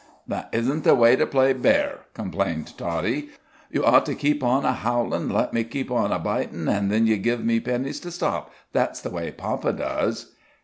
"That izhn't the way to play bear," complained Toddie; "you ought to keep on a howlin' an' let me keep on a bitin', an' then you give me pennies to stop that's the way papa does."